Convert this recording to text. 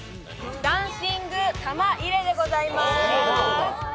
「ダンシング玉入れ」でございます。